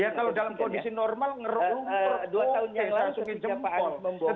ya kalau dalam kondisi normal ngerok lumpur oke langsung dijempol